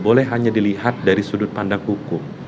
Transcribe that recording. boleh hanya dilihat dari sudut pandang hukum